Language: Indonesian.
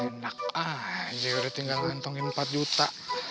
enak aja udah tinggal ngantongin empat juta